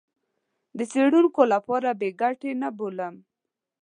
د څېړونکو لپاره بې ګټې نه بولم.